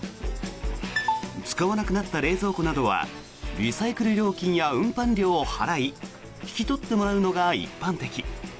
使わなくなった冷蔵庫などはリサイクル料金や運搬料を払い引き取ってもらうのが一般的。